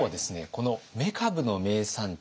このめかぶの名産地